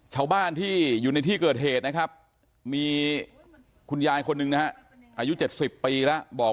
เช้าบ้านที่อยู่ในที่เกิดเหตุนะครับมีคุณยายคนนึงนะฮะอายุเจ็ดสิบปีแล้ว